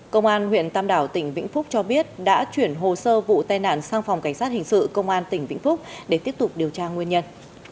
công an huyện tam đảo tỉnh vĩnh phúc cho biết đã chuyển hồ sơ vụ tai nạn sang phòng cảnh sát hình sự công an tỉnh vĩnh phúc để tiếp tục điều tra nguyên nhân